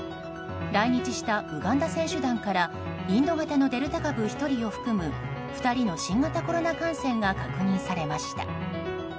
来日したウガンダ選手団からインド型のデルタ株１人を含む２人の新型コロナ感染が確認されました。